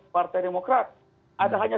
partai demokrat ada hanya